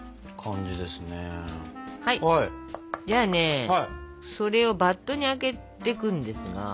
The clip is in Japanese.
じゃあねそれをバットにあけていくんですが。